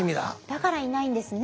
だからいないんですね